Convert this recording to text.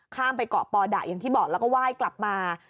ไปเกาะปอดะอย่างที่บอกแล้วก็ไหว้กลับมา